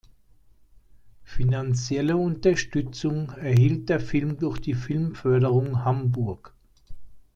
Finanzielle Unterstützung erhielt der Film durch die Filmförderung Hamburg.